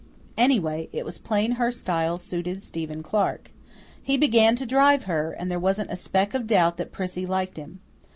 Anyway, it was plain her style suited Stephen Clark. He began to drive her, and there wasn't a speck of doubt that Prissy liked him.